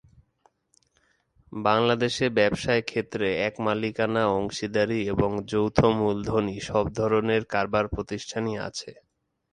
বাংলাদেশে ব্যবসায় ক্ষেত্রে এক মালিকানা, অংশীদারি এবং যৌথমূলধনী সব ধরনের কারবার প্রতিষ্ঠানই আছে।